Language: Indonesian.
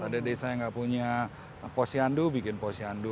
ada desa yang nggak punya posyandu bikin posyandu